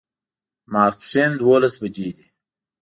ماسپښین دوولس بجې دي